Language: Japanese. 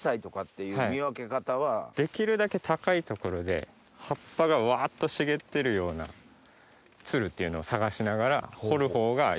できるだけ高い所で葉っぱがワっと茂ってるようなツルっていうのを探しながら掘るほうがいいです。